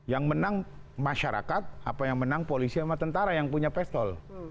yang menang masyarakat apa yang menang polisi sama tentara yang punya pistol